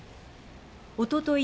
おととい